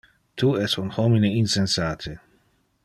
Tu es un homine insensate!